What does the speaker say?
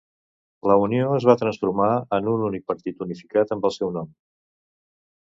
La Unió es va transformar en un únic partit unificat amb el seu nom.